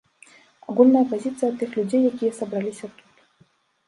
Агульная пазіцыя тых людзей, якія сабраліся тут.